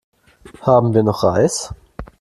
Haben wir noch Reis?